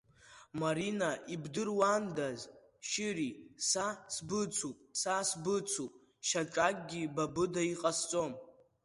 Марина, ибдыруандаз шьыри, са сбыцуп, са сбыцуп шьаҿакгьы ба быда иҟасҵом.